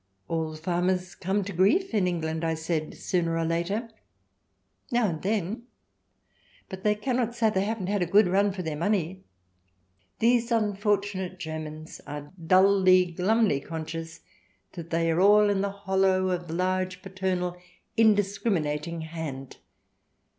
..." "All farmers come to grief in England," I said, " sooner or later." "Now and then ; but they cannot say they haven't had a good run for their money. These unfortunate Germans are dully, glumly conscious that they are all in the hollow of the large, paternal, indiscrimina ting hand.